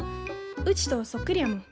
うちとそっくりやもん。